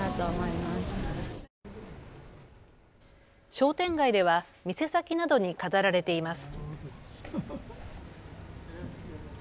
商店街では店先などに飾られています。